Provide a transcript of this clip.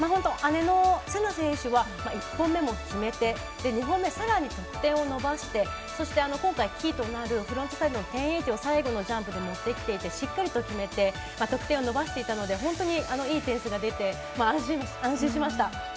姉のせな選手は１本目も決めて２本目はさらに得点を伸ばし今回キーとなるフロントサイド１０８０を最後のジャンプに持ってきていてしっかりと決めて得点を伸ばしていたので本当にいい点数が出て安心しました。